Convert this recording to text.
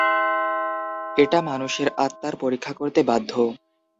এটা মানুষের আত্মার পরীক্ষা করতে বাধ্য।